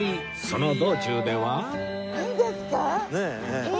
その道中では